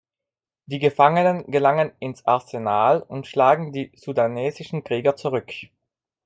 Die Gefangenen gelangen ins Arsenal und schlagen die sudanesischen Krieger zurück.